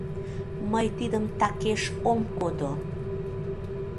Мый тидым такеш ом кодо!